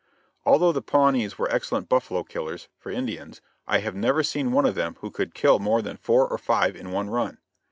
Although the Pawnees were excellent buffalo killers, for Indians, I have never seen one of them who could kill more than four or five in one run.